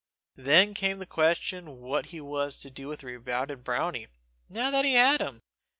Then came the question what was he to do with the redoubted brownie, now that he had him.